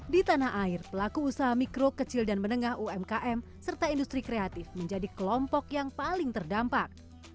di tanah air pelaku usaha mikro kecil dan menengah umkm serta industri kreatif menjadi kelompok yang paling terdampak